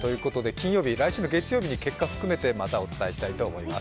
来週月曜日に結果を含めてまたお伝えしたいと思います。